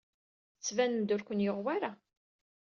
Tettbanem-d ur ken-yuɣ wara.